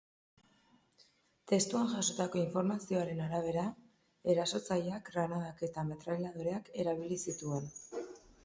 Testuan jasotako informazioaren arabera, erasotzaileak granadak eta metrailadoreak erabili zituen.